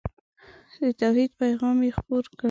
د توحید پیغام یې خپور کړ.